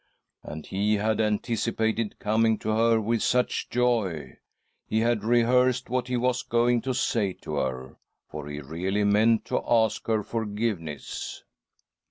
And he had anticipated coming to her with such joy. He had rehearsed what he was going to say to her, for he really meant to ask her forgiveness.